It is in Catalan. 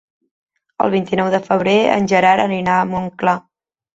El vint-i-nou de febrer en Gerard anirà a Montclar.